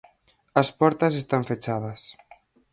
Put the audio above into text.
As portas están fechadas.